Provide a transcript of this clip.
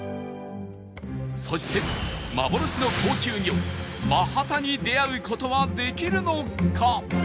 そして幻の高級魚マハタに出会う事はできるのか？